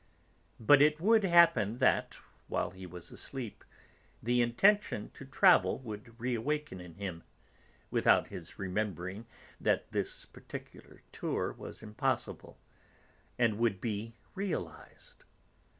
But it would happen that, while he was asleep, the intention to travel would reawaken in him (without his remembering that this particular tour was impossible) and would be realised.